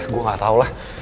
gue gak tau lah